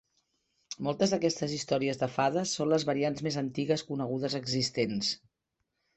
Moltes d'aquestes històries de fades són les variants més antigues conegudes existents.